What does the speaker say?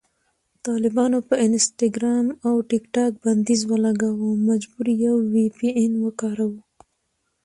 طالبانو په انسټاګرام او ټیکټاک بندیز ولګاوو، مجبور یو وي پي این وکاروو